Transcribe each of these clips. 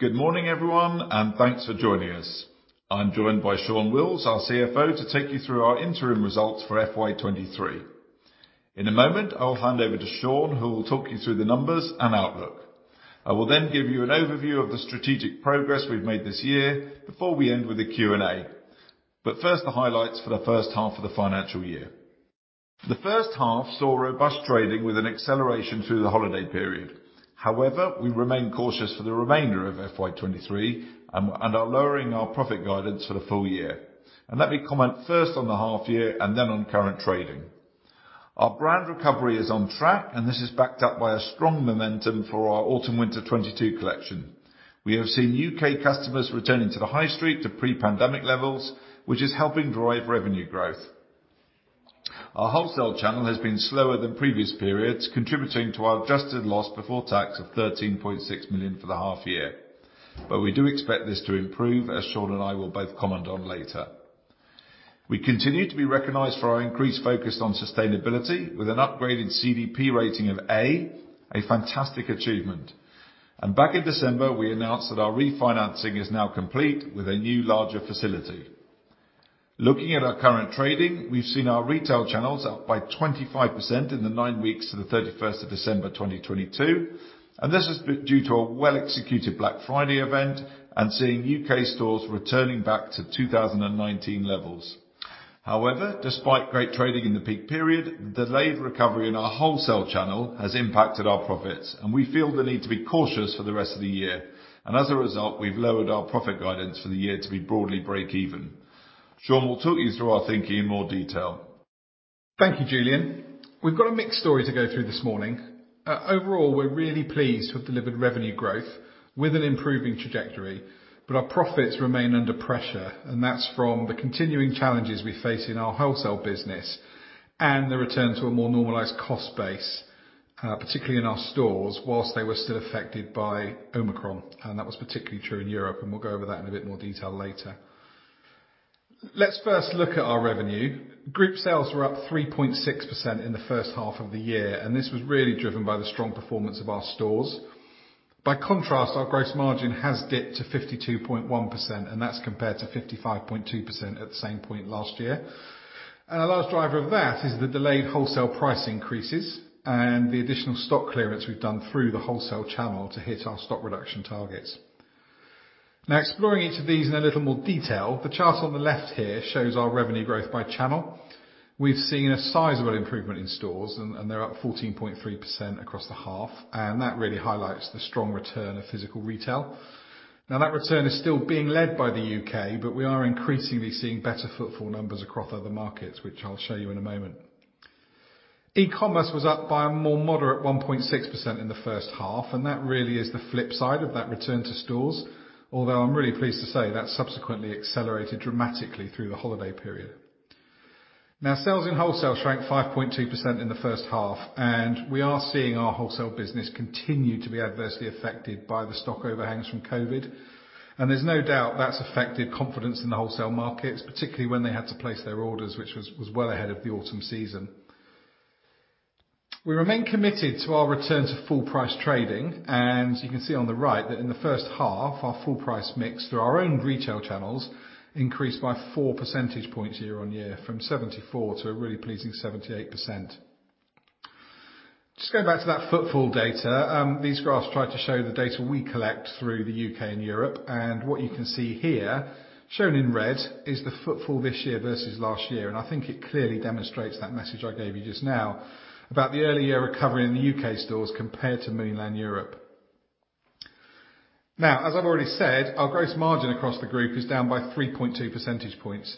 Good morning, everyone and thanks for joining us. I'm joined by Shaun Wills, our CFO to take you through our interim results for FY 2023. In a moment, I'll hand over to Shaun who will talk you through the numbers and outlook. I will then give you an overview of the strategic progress we've made this year before we end with a Q&A. First, the highlights for the first half of the financial year. The first half saw robust trading with an acceleration through the holiday period. However, we remain cautious for the remainder of FY 2023 and are lowering our profit guidance for the full year. Let me comment first on the half year and then on current trading. Our brand recovery is on track, and this is backed up by a strong momentum for our AW22 collection. We have seen U.K. customers returning to the high street to pre-pandemic levels which is helping drive revenue growth. Our wholesale channel has been slower than previous periods, contributing to our adjusted loss before tax of 13.6 million for the half year. We do expect this to improve as Shaun, and I will both comment on later. We continue to be recognized for our increased focus on sustainability with an upgraded CDP rating of A, a fantastic achievement. Back in December we announced that our refinancing is now complete with a new larger facility. Looking at our current trading, we've seen our retail channels up by 25% in the nine weeks to the 31st of December 2022. This has been due to a well-executed Black Friday event and seeing U.K. stores returning back to 2019 levels. Despite great trading in the peak period, the late recovery in our wholesale channel has impacted our profits, and we feel the need to be cautious for the rest of the year. As a result, we've lowered our profit guidance for the year to be broadly break even. Shaun will talk you through our thinking in more detail. Thank you, Julian. Overall, we're really pleased with delivered revenue growth with an improving trajectory, but our profits remain under pressure, and that's from the continuing challenges we face in our wholesale business and the return to a more normalized cost base, particularly in our stores whilst they were still affected by Omicron and that was particularly true in Europe and we'll go over that in a bit more detail later. Let's first look at our revenue. Group sales were up 3.6% in the first half of the year and this was really driven by the strong performance of our stores. By contrast, our gross margin has dipped to 52.1%, and that's compared to 55.2% at the same point last year. Our last driver of that is the delayed wholesale price increases and the additional stock clearance we've done through the wholesale channel to hit our stock reduction targets. Exploring each of these in a little more detail the chart on the left here shows our revenue growth by channel. We've seen a sizable improvement in stores and they're up 14.3% across the half, and that really highlights the strong return of physical retail. That return is still being led by the U.K., but we are increasingly seeing better footfall numbers across other markets which I'll show you in a moment. E-commerce was up by a more moderate 1.6% in the first half and that really is the flip side of that return to stores. I'm really pleased to say that subsequently accelerated dramatically through the holiday period. Sales in wholesale shrank 5.2% in the first half, and we are seeing our wholesale business continue to be adversely affected by the stock overhangs from COVID. There's no doubt that's affected confidence in the wholesale markets, particularly when they had to place their orders which was well ahead of the autumn season. We remain committed to our return to full price trading, and you can see on the right that in the first half our full price mix through our own retail channels increased by 4 percentage points year-on-year from 74% to a really pleasing 78%. Just going back to that footfall data these graphs try to show the data we collect through the UK and Europe. What you can see here, shown in red is the footfall this year versus last year. I think it clearly demonstrates that message I gave you just now about the early year recovery in the UK stores compared to mainland Europe. As I've already said, our gross margin across the group is down by 3.2 percentage points.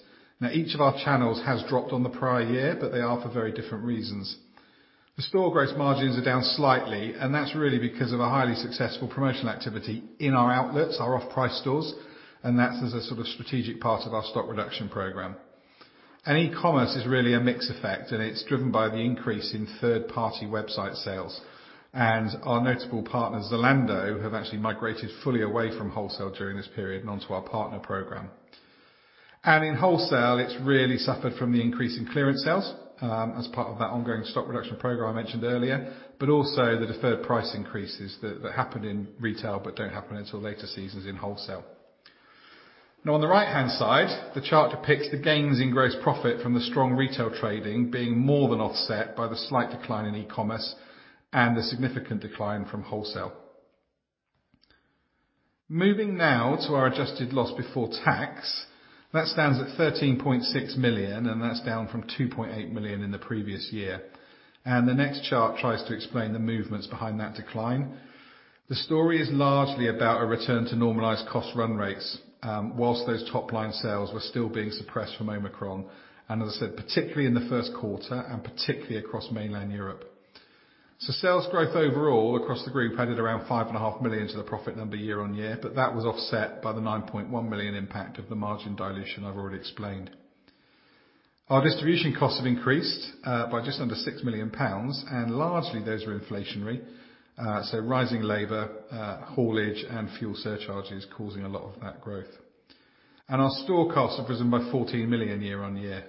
Each of our channels has dropped on the prior year but they are for very different reasons. The store gross margins are down slightly and that's really because of a highly successful promotional activity in our outlets, our off-price stores and that's as a sort of strategic part of our stock reduction program. E-commerce is really a mix effect, and it's driven by the increase in third-party website sales. Our notable partner Zalando have actually migrated fully away from wholesale during this period and onto our partner program. In wholesale, it's really suffered from the increase in clearance sales as part of that ongoing stock reduction program I mentioned earlier, but also the deferred price increases that happened in retail but don't happen until later seasons in wholesale. Now on the right-hand side, the chart depicts the gains in gross profit from the strong retail trading being more than offset by the slight decline in e-commerce and the significant decline from wholesale. Moving now to our adjusted loss before tax. That stands at 13.6 million, and that's down from 2.8 million in the previous year. The next chart tries to explain the movements behind that decline. The story is largely about a return to normalized cost run rates, whilst those top-line sales were still being suppressed from Omicron, and as I said, particularly in the first quarter and particularly across mainland Europe. Sales growth overall across the group added around 5.5 million to the profit number year-on-year, but that was offset by the 9.1 million impact of the margin dilution I've already explained. Our distribution costs have increased by just under 6 million pounds, and largely those are inflationary. Rising labor, haulage, and fuel surcharges causing a lot of that growth. Our store costs have risen by 14 million year-on-year.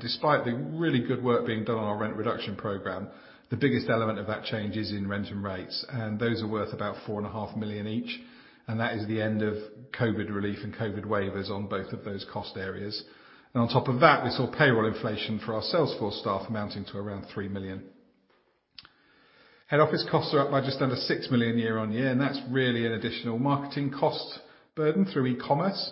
Despite the really good work being done on our rent reduction program, the biggest element of that change is in rent and rates, and those are worth about 4.5 million each, and that is the end of COVID relief and COVID waivers on both of those cost areas. On top of that, we saw payroll inflation for our sales force staff amounting to around 3 million. Head Office costs are up by just under 6 million year-on-year, and that's really an additional marketing cost burden through e-commerce.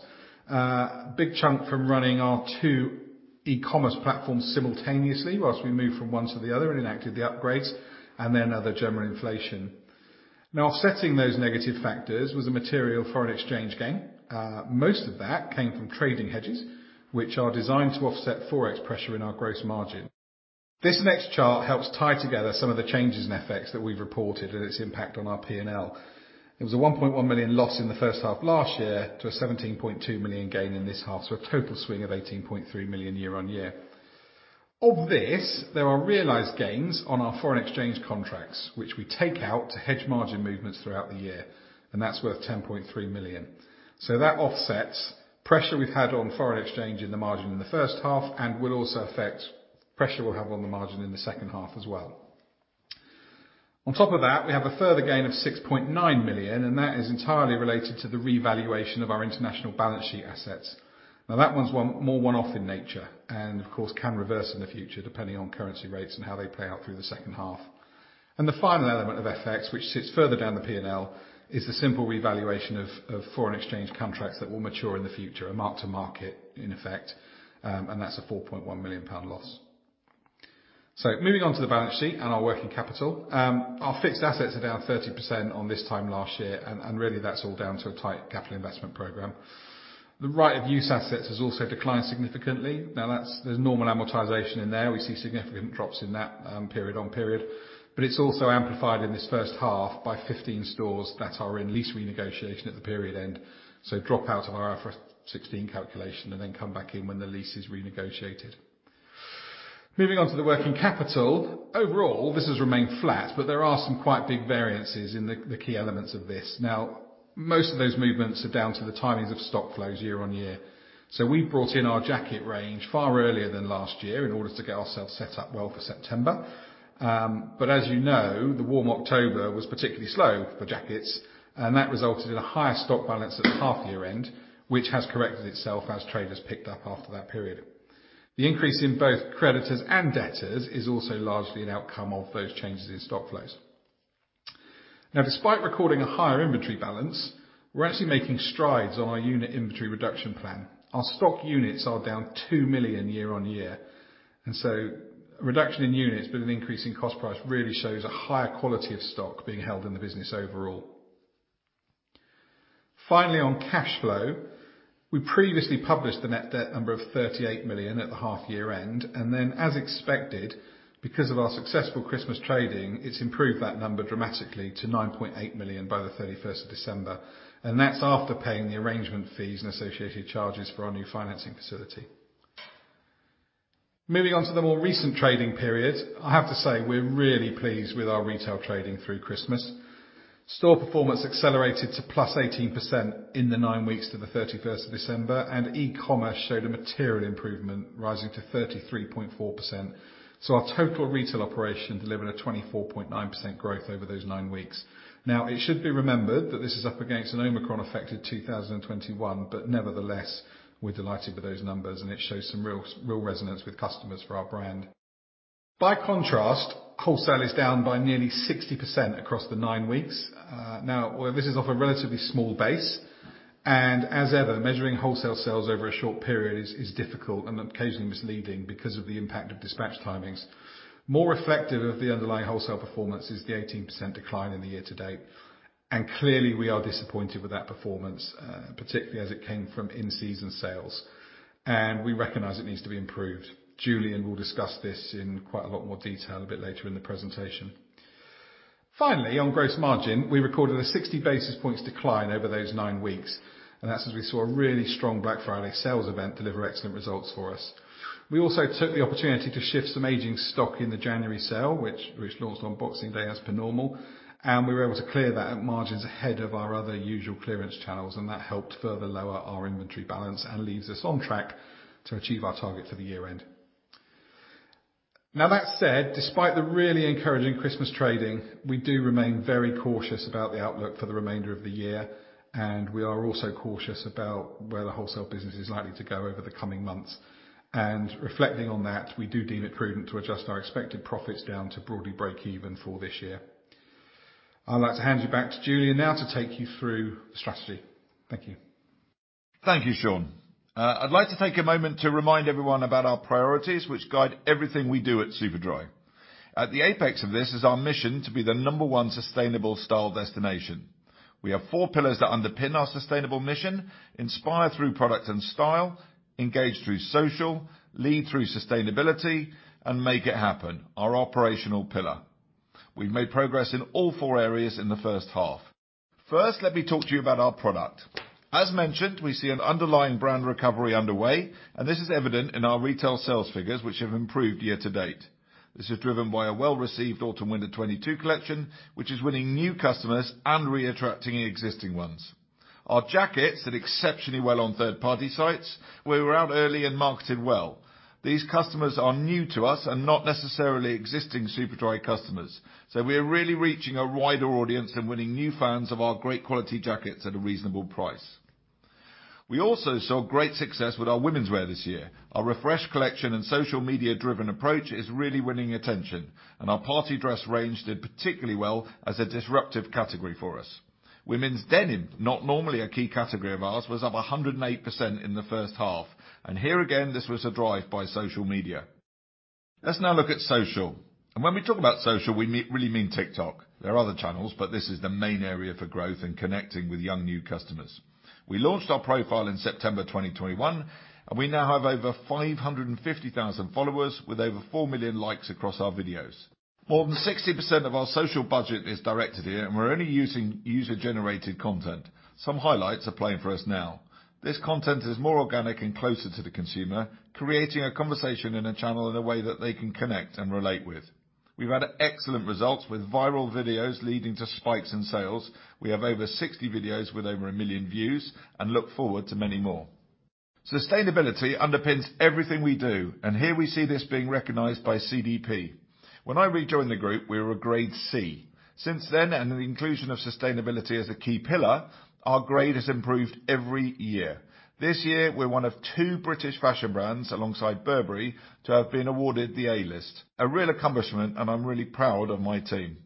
Big chunk from running our two e-commerce platforms simultaneously whilst we move from one to the other and enacted the upgrades and then other general inflation. Offsetting those negative factors was a material foreign exchange gain. Most of that came from trading hedges, which are designed to offset Forex pressure in our gross margin. This next chart helps tie together some of the changes in FX that we've reported and its impact on our P&L. It was a 1.1 million loss in the first half last year to a 17.2 million gain in this half a total swing of 18.3 million year-on-year. Of this, there are realized gains on our foreign exchange contracts, which we take out to hedge margin movements throughout the year and that's worth 10.3 million. That offsets pressure we've had on foreign exchange in the margin in the first half and will also affect pressure we'll have on the margin in the second half as well. On top of that, we have a further gain of 6.9 million, that is entirely related to the revaluation of our international balance sheet assets. Now, that one's more one-off in nature and of course, can reverse in the future depending on currency rates and how they play out through the second half. The final element of FX, which sits further down the P&L, is the simple revaluation of foreign exchange contracts that will mature in the future, a mark-to-market in effect, and that's a 4.1 million pound loss. Moving on to the balance sheet and our working capital. Our fixed assets are down 30% on this time last year and really that's all down to a tight capital investment program. The right-of-use assets has also declined significantly. Now there's normal amortization in there. We see significant drops in that period-on-period, but it's also amplified in this first half by 15 stores that are in lease renegotiation at the period end. Drop out of our IFRS 16 calculation and then come back in when the lease is renegotiated. Moving on to the working capital. Overall, this has remained flat but there are some quite big variances in the key elements of this. Most of those movements are down to the timings of stock flows year-on-year. We brought in our jacket range far earlier than last year in order to get ourselves set up well for September. As you know the warm October was particularly slow for jackets and that resulted in a higher stock balance at half year end, which has corrected itself as trade has picked up after that period. The increase in both creditors and debtors is also largely an outcome of those changes in stock flows. Despite recording a higher inventory balance, we're actually making strides on our unit inventory reduction plan. Our stock units are down 2 million year-on-year, and so reduction in units but an increase in cost price really shows a higher quality of stock being held in the business overall. Finally, on cash flow we previously published the net debt number of 38 million at the half-year end and then as expected, because of our successful Christmas trading, it's improved that number dramatically to 9.8 million by the 31st of December and that's after paying the arrangement fees and associated charges for our new financing facility. Moving on to the more recent trading period, I have to say we're really pleased with our retail trading through Christmas. Store performance accelerated to +18% in the 9 weeks to December 31st, e-commerce showed a material improvement, rising to 33.4%. Our total retail operation delivered a 24.9% growth over those nine weeks. Now, it should be remembered that this is up against an Omicron affected 2021. Nevertheless, we're delighted with those numbers, and it shows some real resonance with customers for our brand. By contrast, wholesale is down by nearly 60% across the nine weeks. Now this is off a relatively small base. As ever, measuring wholesale sales over a short period is difficult and occasionally misleading because of the impact of dispatch timings. More reflective of the underlying wholesale performance is the 18% decline in the year to date. Clearly, we are disappointed with that performance particularly as it came from in-season sales, and we recognize it needs to be improved. Julian will discuss this in quite a lot more detail a bit later in the presentation. Finally, on gross margin, we recorded a 60 basis points decline over those nine weeks and that's as we saw a really strong Black Friday sales event deliver excellent results for us. We also took the opportunity to shift some aging stock in the January sale, which launched on Boxing Day as per normal and we were able to clear that at margins ahead of our other usual clearance channels and that helped further lower our inventory balance and leaves us on track to achieve our target for the year end. That said, despite the really encouraging Christmas trading we do remain very cautious about the outlook for the remainder of the year, and we are also cautious about where the wholesale business is likely to go over the coming months. Reflecting on that we do deem it prudent to adjust our expected profits down to broadly break even for this year. I'd like to hand you back to Julian now to take you through the strategy. Thank you. Thank you, Shaun. I'd like to take a moment to remind everyone about our priorities, which guide everything we do at Superdry. At the apex of this is our mission to be the number one sustainable style destination. We have four pillars that underpin our sustainable mission: inspire through product and style, engage through social, lead through sustainability, and Make it Happen, our operational pillar. We've made progress in all four areas in the first half. First, let me talk to you about our product. As mentioned, we see an underlying brand recovery underway, and this is evident in our retail sales figures which have improved year to date. This is driven by a well-received window 2022 collection which is winning new customers and re-attracting existing ones. Our jackets did exceptionally well on third party sites where we were out early and marketed well. These customers are new to us and not necessarily existing Superdry customers. We are really reaching a wider audience and winning new fans of our great quality jackets at a reasonable price. We also saw great success with our womenswear this year. Our refreshed collection and social media driven approach is really winning attention, and our party dress range did particularly well as a disruptive category for us. Women's denim, not normally a key category of ours was up 108% in the first half and here again this was a drive by social media. Let's now look at social, and when we talk about social, we really mean TikTok. There are other channels, but this is the main area for growth and connecting with young new customers. We launched our profile in September 2021, we now have over 550,000 followers with over 4 million likes across our videos. More than 60% of our social budget is directed here, we're only using user-generated content. Some highlights are playing for us now. This content is more organic and closer to the consumer creating a conversation in a channel in a way that they can connect and relate with. We've had excellent results with viral videos leading to spikes in sales. We have over 60 videos with over 1 million views and look forward to many more. Sustainability underpins everything we do, here we see this being recognized by CDP. When I rejoined the group, we were a grade C. Since then the inclusion of sustainability as a key pillar, our grade has improved every year. This year, we're one of two British fashion brands alongside Burberry to have been awarded the A-list. A real accomplishment, and I'm really proud of my team.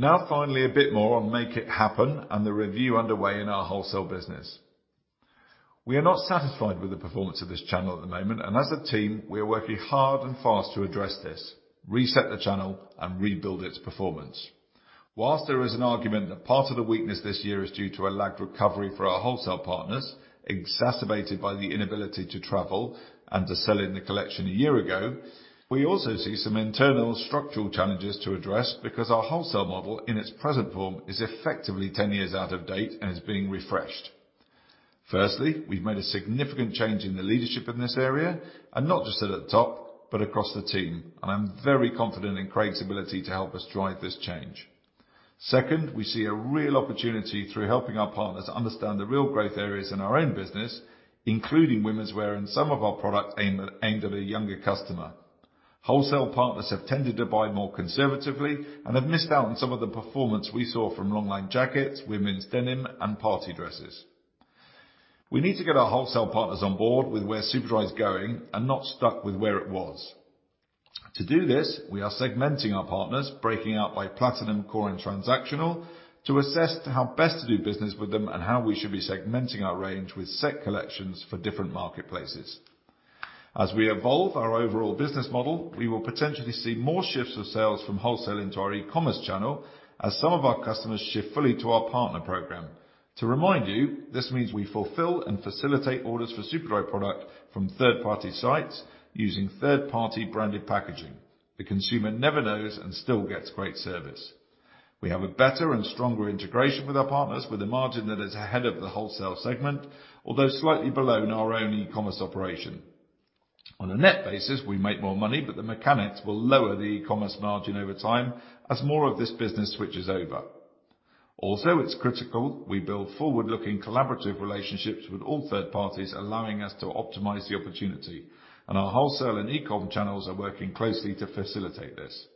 Finally, a bit more on Make It Happen and the review underway in our wholesale business. We are not satisfied with the performance of this channel at the moment. As a team, we are working hard and fast to address this, reset the channel, and rebuild its performance. Whilst there is an argument that part of the weakness this year is due to a lagged recovery for our wholesale partners, exacerbated by the inability to travel and to sell in the collection a year ago, we also see some internal structural challenges to address because our wholesale model in its present form is effectively 10 years out of date and is being refreshed. Firstly, we've made a significant change in the leadership in this area and not just at the top but across the team. I'm very confident in Craig's ability to help us drive this change. Second, we see a real opportunity through helping our partners understand the real growth areas in our own business, including womenswear and some of our products aimed at a younger customer. Wholesale partners have tended to buy more conservatively and have missed out on some of the performance we saw from long line jackets, women's denim, and party dresses. We need to get our wholesale partners on board with where Superdry is going and not stuck with where it was. To do this, we are segmenting our partners, breaking out by platinum, core, and transactional, to assess how best to do business with them and how we should be segmenting our range with set collections for different marketplaces. As we evolve our overall business model, we will potentially see more shifts of sales from wholesale into our e-commerce channel as some of our customers shift fully to our partner program. To remind you, this means we fulfill and facilitate orders for Superdry product from third-party sites using third-party branded packaging. The consumer never knows and still gets great service. We have a better and stronger integration with our partners with a margin that is ahead of the wholesale segment, although slightly below in our own e-commerce operation. On a net basis, we make more money, but the mechanics will lower the e-commerce margin over time as more of this business switches over. It's critical we build forward-looking collaborative relationships with all third parties allowing us to optimize the opportunity. Our wholesale and e-com channels are working closely to facilitate this.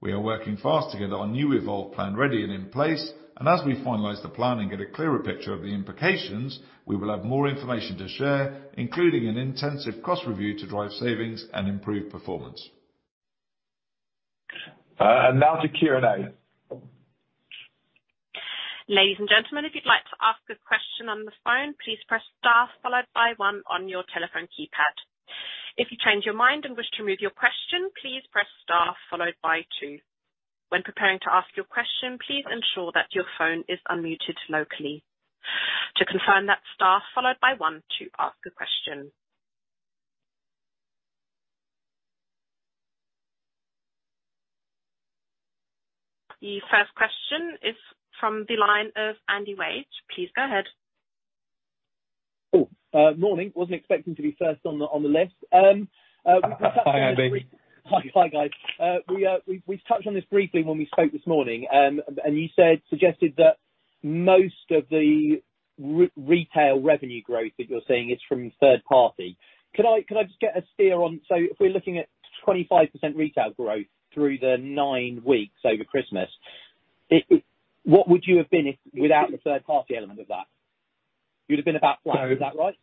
We are working fast to get our new evolved plan ready and in place, as we finalize the plan and get a clearer picture of the implications, we will have more information to share, including an intensive cost review to drive savings and improve performance. Now to Q&A. Ladies and gentlemen, if you'd like to ask a question on the phone, please press star followed by one on your telephone keypad. If you change your mind and wish to remove your question, please press star followed by two. When preparing to ask your question, please ensure that your phone is unmuted locally. To confirm, that's star followed by one to ask a question. The first question is from the line of Anjali Shah. Please go ahead. Cool. Morning. Wasn't expecting to be first on the list. Hi, Anjali. Hi, guys. We've touched on this briefly when we spoke this morning. You suggested that most of the retail revenue growth that you're seeing is from third party. Could I just get a steer on. If we're looking at 25% retail growth through the nine weeks over Christmas, what would you have been if without the third party element of that? You'd have been about flat, is that right?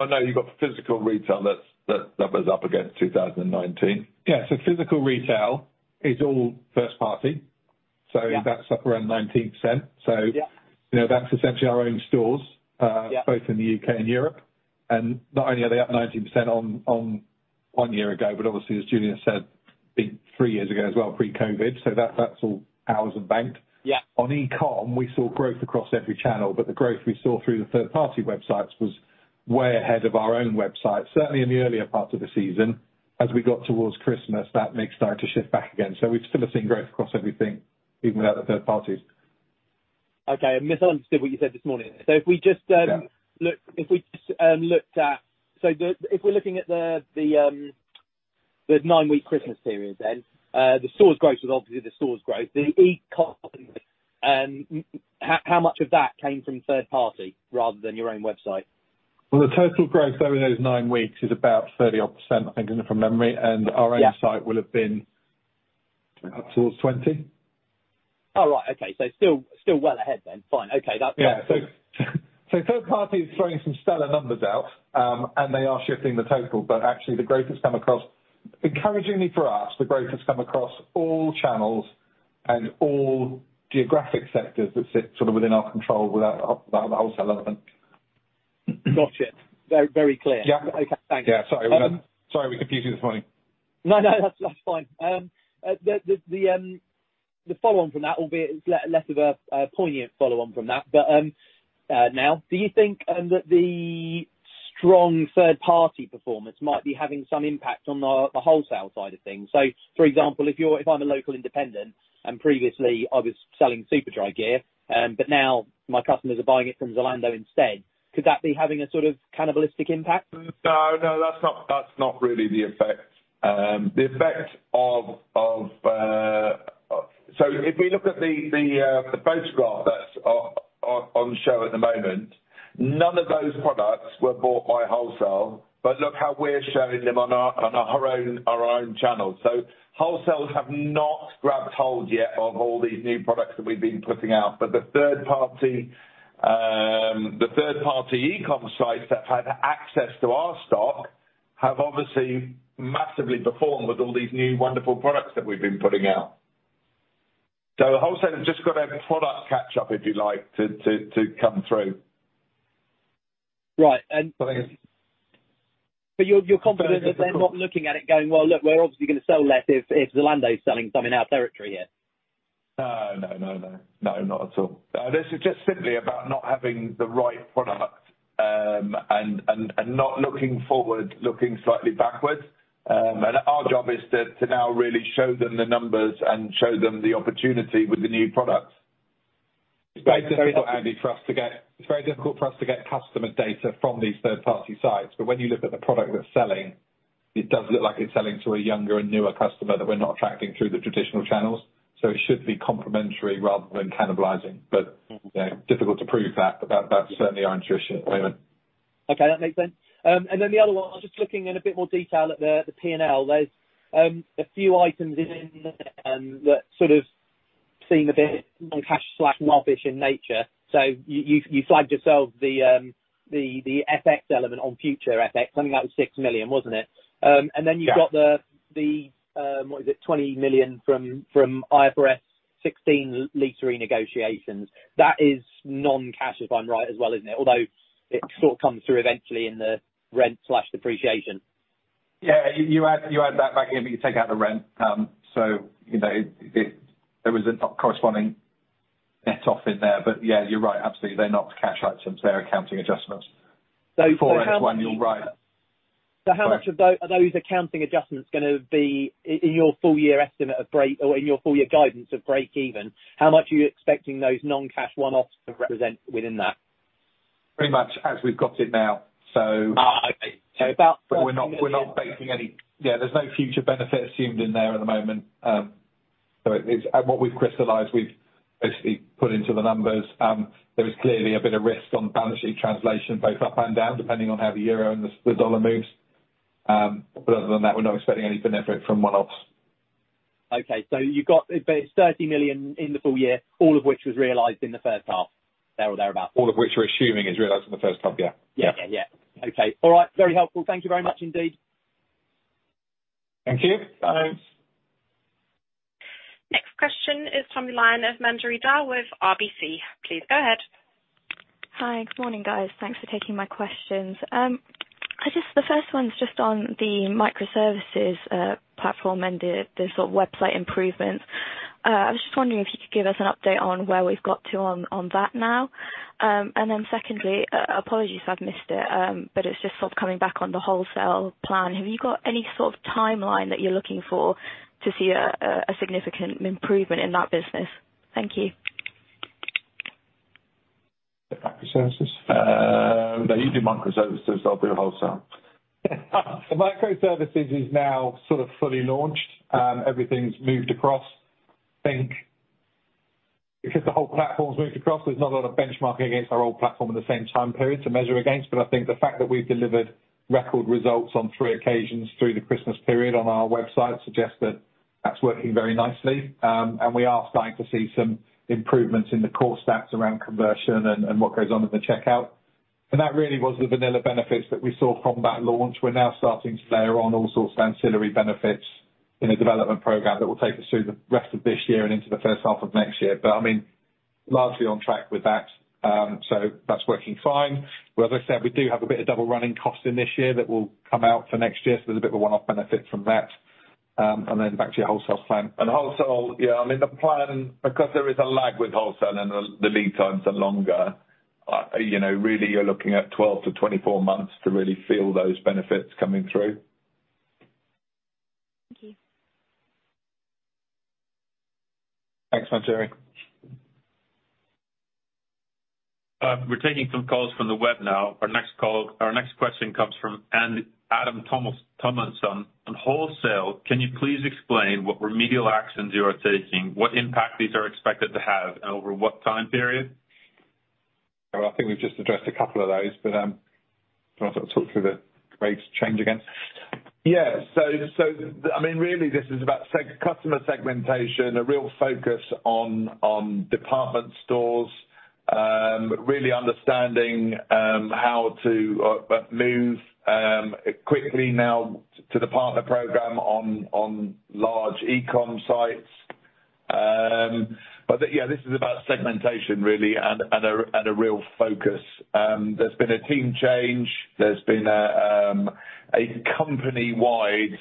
Oh, no, you've got physical retail that's that was up against 2019. Yeah physical retail is all first party. Yeah. That's up around 19%. Yeah. you know, that's essentially our own stores. Yeah Both in the UK and Europe. And not only are they up 19% on one year ago, but obviously, as Julian said, I think three years ago as well, pre-COVID. So that's all ours and banked. Yeah. On e-com, we saw growth across every channel. The growth we saw through the third party websites was way ahead of our own website, certainly in the earlier parts of the season. As we got towards Christmas, that mix started to shift back again. We still have seen growth across everything, even without the third parties. Okay. I misunderstood what you said this morning. If we just. Yeah Look, if we just looked at if we're looking at the nine-week Christmas period then, the stores growth was obviously the stores growth, the e-com. How much of that came from third party rather than your own website? Well, the total growth over those nine weeks is about 30% I'm getting it from memory. Yeah. Our own site will have been up towards 20%. All right. Okay still well ahead then. Fine okey that. Yeah. Third party is throwing some stellar numbers out. They are shifting the total. Actually, encouragingly for us, the growth has come across all channels and all geographic sectors that sit sort of within our control without the wholesale element. Got you. Very, very clear. Yeah. Okay thank you. Yeah, sorry sorry we confused you this morning. No, that's fine. The follow on from that will be less of a poignant follow on from that. Now do you think that the strong third-party performance might be having some impact on the wholesale side of things. For example, if I'm a local independent and previously, I was selling Superdry gear, but now my customers are buying it from Zalando instead, could that be having a sort of cannibalistic impact? No, that's not really the effect. The effect of the photograph that's on show at the moment, none of those products were bought by wholesale. Look how we're showing them on our own channel. Wholesale have not grabbed hold yet of all these new products that we've been putting out. The third party the third-party e-com sites that have had access to our stock have obviously massively performed with all these new wonderful products that we've been putting out. The wholesale has just got to have a product catch up if you like to come through. Right. I think it's. You're confident that they're not looking at it going, "Well, look, we're obviously gonna sell less if Zalando is selling something in our territory here. No, no, no. No, not at all. This is just simply about not having the right product, and not looking forward, looking slightly backwards. Our job is to now really show them the numbers and show them the opportunity with the new products. It's very difficult, Anjali, for us to get. It's very difficult for us to get customer data from these third-party sites, but when you look at the product that's selling, it does look like it's selling to a younger and newer customer that we're not attracting through the traditional channels. It should be complementary rather than cannibalizing. You know difficult to prove that. That's certainly our intuition at the moment. Okay, that makes sense. The other one, I was just looking in a bit more detail at the P&L. There's a few items in there that sort of seem a bit non-cash/non-obvious in nature. You flagged yourself the FX element on future FX. Something like 6 million, wasn't it? You've got. Yeah. The what is it, 20 million from IFRS 16 lease renegotiations. That is non-cash if I'm right as well, isn't it? Although it sort of comes through eventually in the rent/depreciation. Yeah. You add that back in, but you take out the rent. you know it, there was a corresponding net off in there. Yeah, you're right absolutely. They're not cash items, they're accounting adjustments. how much- Forex one, you're right. How much of those accounting adjustments gonna be in your full year estimate of break or in your full year guidance of break even? How much are you expecting those non-cash one-offs to represent within that? Pretty much as we've got it now, so. Okay. about GBP 40 million. We're not taking any yeah, there's no future benefit assumed in there at the moment. What we've crystallized we've basically put into the numbers. There is clearly a bit of risk on the balance sheet translation both up and down, depending on how the euro and the dollar moves. Other than that, we're not expecting any benefit from one-offs. Okay. It's 30 million in the full year, all of which was realized in the first half, there or thereabout. All of which we're assuming is realized in the first half, yeah. Yeah, yeah. Okay. All right very helpful. Thank you very much indeed. Thank you. Thanks. Next question is Tom Lyon of RBC Capital Markets with RBC. Please go ahead. Hi. Good morning, guys. Thanks for taking my questions. The first one is just on the microservices platform and the sort of website improvements. I was just wondering if you could give us an update on where we've got to on that now. Secondly, apologies if I've missed it's just sort of coming back on the wholesale plan. Have you got any sort of timeline that you're looking for to see a significant improvement in that business? Thank you. The microservices? No, you do microservices, so I'll do wholesale. The microservices is now sort of fully launched. Everything's moved across. I think because the whole platforms moved across, there's not a lot of benchmarking against our old platform at the same time period to measure against. I think the fact that we've delivered record results on three occasions through the Christmas period on our website suggests that that's working very nicely. We are starting to see some improvements in the core stats around conversion and what goes on in the checkout. That really was the vanilla benefits that we saw from that launch. We're now starting to layer on all sorts of ancillary benefits in a development program that will take us through the rest of this year and into the first half of next year. I mean, largely on track with that. That's working fine. As I said, we do have a bit of double running cost in this year that will come out for next year. There's a bit of a one-off benefit from that. Back to your wholesale plan. Wholesale yeah, I mean the plan because there is a lag with wholesale and the lead times are longer you know really, you're looking at 12-24 months to really feel those benefits coming through. Thank you. Thanks, Mandiri. We're taking some calls from the web now. Our next question comes from Adam Tomlinson. On wholesale, can you please explain what remedial actions you are taking, what impact these are expected to have, and over what time period? I think we've just addressed a couple of those, but do you wanna sort of talk through the grade change again? Yeah. I mean, really this is about customer segmentation, a real focus on department stores, really understanding how to move quickly now to the partner program on large e-com sites. Yeah, this is about segmentation really, and a real focus. There's been a team change. There's been a company-wide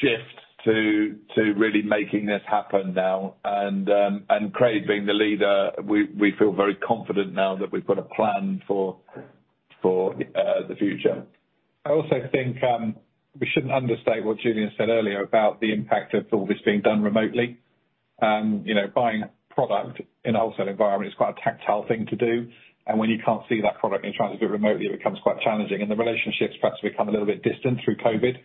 shift to really Make it Happen now. Craig being the leader we feel very confident now that we've got a plan for the future. I also think, we shouldn't understate what Julian said earlier about the impact of all this being done remotely. You know, buying product in a wholesale environment is quite a tactile thing to do, and when you can't see that product and you're trying to do it remotely, it becomes quite challenging. The relationships perhaps become a little bit distant through COVID,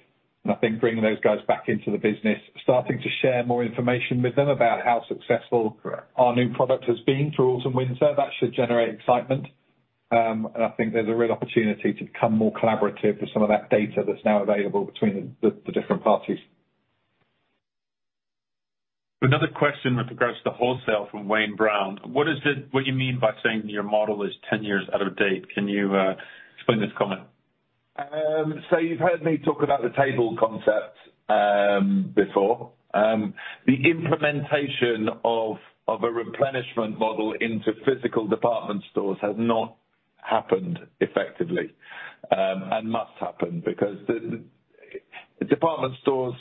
and I think bringing those guys back into the business, starting to share more information with them about how successful- Correct -our new product has been through Autumn/Winter, that should generate excitement. I think there's a real opportunity to become more collaborative with some of that data that's now available between the, the different parties. Another question with regards to wholesale from Wayne Brown: What you mean by saying your model is 10 years out of date? Can you explain this comment? You've heard me talk about the table concept before. The implementation of a replenishment model into physical department stores has not happened effectively and must happen because the department stores,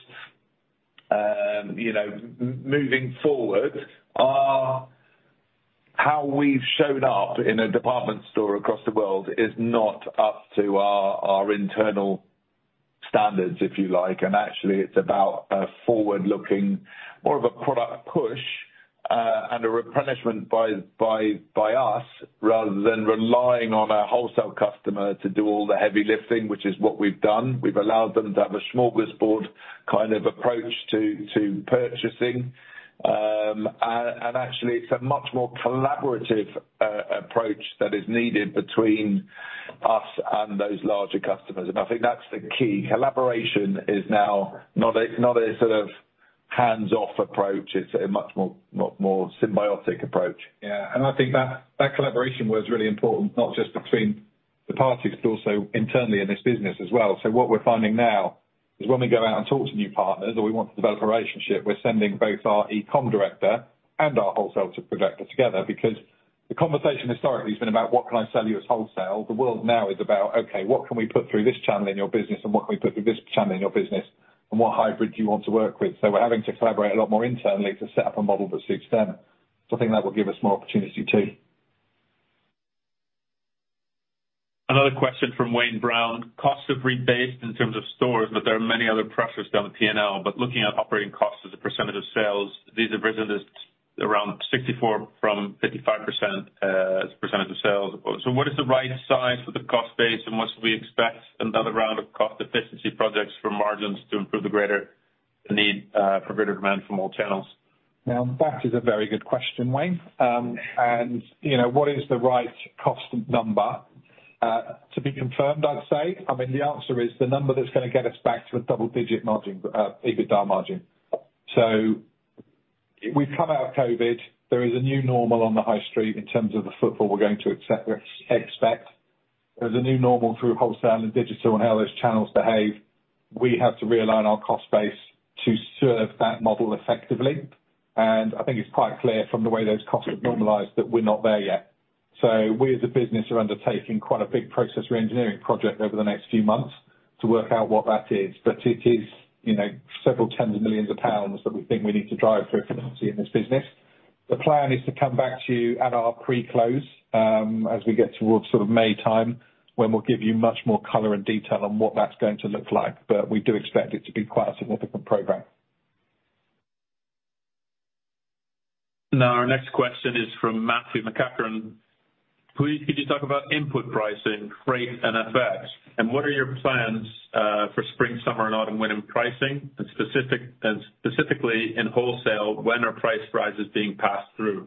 you know, moving forward are. How we've shown up in a department store across the world is not up to our internal standards, if you like. Actually, it's about a forward-looking, more of a product push and a replenishment by us, rather than relying on our wholesale customer to do all the heavy lifting which is what we've done. We've allowed them to have a smorgasbord kind of approach to purchasing. Actually, it's a much more collaborative approach that is needed between us and those larger customers. I think that's the key. Collaboration is now not a sort of hands-off approach. It's a much more symbiotic approach. Yeah. I think that collaboration was really important, not just between the parties, but also internally in this business as well. What we're finding now is when we go out and talk to new partners or we want to develop a relationship, we're sending both our e-com director and our wholesale director together because the conversation historically has been about what can I sell you as wholesale? The world now is about, okay, what can we put through this channel in your business, and what can we put through this channel in your business, and what hybrid do you want to work with? We're having to collaborate a lot more internally to set up a model that suits them. I think that will give us more opportunity too. Another question from Wayne Brown. Costs have rebased in terms of stores, but there are many other pressures down the P&L. Looking at operating costs as a percentage of sales, these have risen to around 64% from 55% as a percentage of sales. What is the right size for the cost base, and must we expect another round of cost efficiency projects for margins to improve the greater need for greater demand from all channels? That is a very good question, Wayne. You know, what is the right cost number? To be confirmed, I'd say. I mean, the answer is the number that's gonna get us back to a double-digit margin, EBITDA margin. We've come out of COVID. There is a new normal on the high street in terms of the footfall we're going to expect. There's a new normal through wholesale and digital and how those channels behave. We have to realign our cost base to serve that model effectively. I think it's quite clear from the way those costs have normalized that we're not there yet. We as a business are undertaking quite a big process reengineering project over the next few months to work out what that is. It is, you know, several 10 of millions of GBP that we think we need to drive for efficiency in this business. The plan is to come back to you at our pre-close, as we get towards sort of May time, when we'll give you much more color and detail on what that's going to look like. We do expect it to be quite a significant program. Our next question is from Matthew McEachran. Please, could you talk about input pricing, freight, and FX? What are your plans for spring, summer, and autumn, winter pricing? Specifically in wholesale, when are price rises being passed through?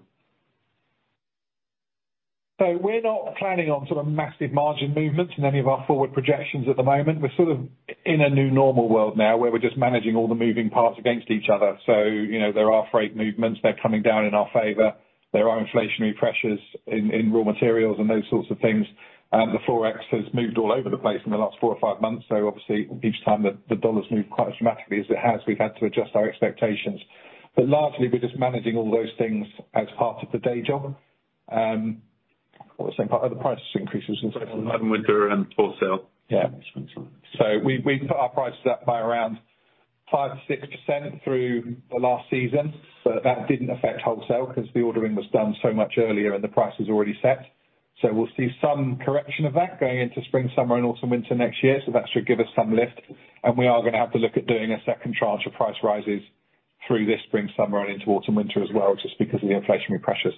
We're not planning on sort of massive margin movements in any of our forward projections at the moment. We're sort of in a new normal world now, where we're just managing all the moving parts against each other. You know, there are freight movements. They're coming down in our favor. There are inflationary pressures in raw materials and those sorts of things. The Forex has moved all over the place in the last four or five months, so obviously each time that the dollar's moved quite dramatically as it has, we've had to adjust our expectations. Largely, we're just managing all those things as part of the day job. What was the second part? Autumn, Winter, and wholesale. We put our prices up by around 5%-6% through the last season, but that didn't affect wholesale 'cause the ordering was done so much earlier and the price was already set. We'll see some correction of that going into spring, summer, and autumn, winter next year, so that should give us some lift. We are gonna have to look at doing a second tranche of price rises through this spring, summer, and into autumn, winter as well, just because of the inflationary pressures.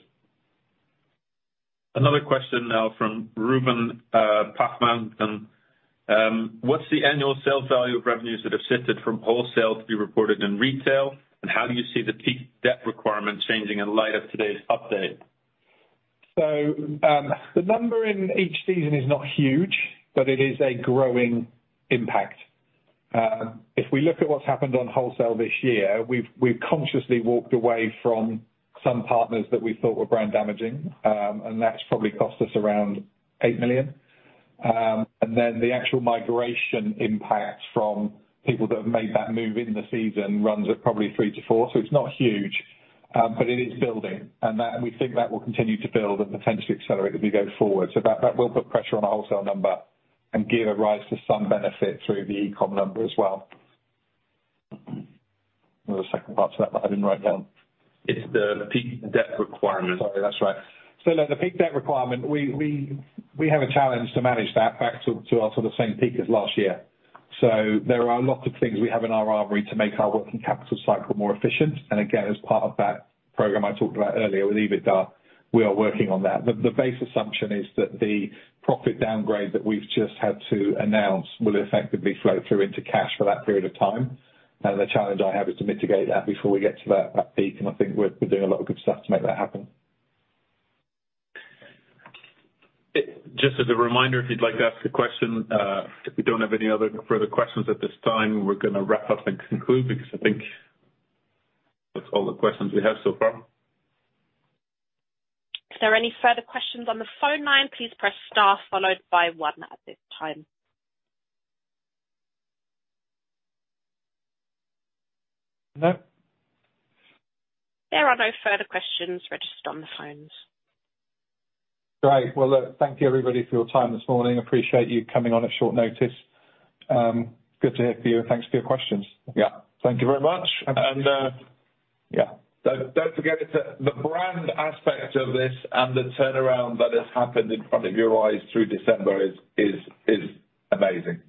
Another question now from Rupen Patel. What's the annual sales value of revenues that have shifted from wholesale to be reported in retail? How do you see the peak debt requirement changing in light of today's update? The number in each season is not huge, but it is a growing impact. If we look at what's happened on wholesale this year, we've consciously walked away from some partners that we thought were brand damaging. And that's probably cost us around 8 million. And then the actual migration impact from people that have made that move in the season runs at probably 3 million-4 million. It's not huge, but it is building and we think that will continue to build and potentially accelerate as we go forward. That will put pressure on our wholesale number and give a rise to some benefit through the e-com number as well. There was a second part to that that I didn't write down. It's the peak debt requirement. Sorry. That's right. Look, the peak debt requirement, we have a challenge to manage that back to our sort of same peak as last year. There are lots of things we have in our armory to make our working capital cycle more efficient. Again, as part of that program I talked about earlier with EBITDA, we are working on that. The base assumption is that the profit downgrade that we've just had to announce will effectively flow through into cash for that period of time. The challenge I have is to mitigate that before we get to that peak and I think we're doing a lot of good stuff to make that happen. Just as a reminder, if you'd like to ask a question, if we don't have any other further questions at this time, we're gonna wrap up and conclude. I think that's all the questions we have so far. If there are any further questions on the phone line, please press star followed by one at this time. No? There are no further questions registered on the phones. Great. Well, look, thank you, everybody for your time this morning. Appreciate you coming on at short notice. Good to hear from you, and thanks for your questions. Yeah. Thank you very much. Yeah. Don't forget the brand aspect of this and the turnaround that has happened in front of your eyes through December is amazing.